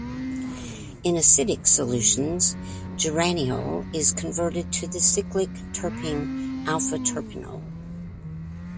In acidic solutions, geraniol is converted to the cyclic terpene alpha-terpineol.